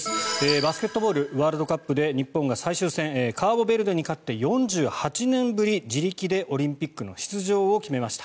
バスケットボールワールドカップで日本が最終戦カーボベルデに勝って４８年ぶり自力でオリンピックの出場を決めました。